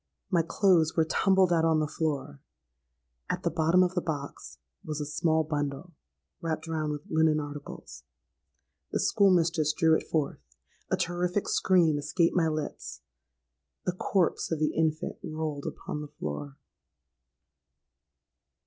My clothes were tumbled out on the floor: at the bottom of the box was a small bundle, wrapped round with linen articles. The school mistress drew it forth—a terrific scream escaped my lips—the corpse of the infant rolled upon the floor!